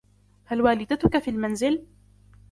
هل والدتك في المنزل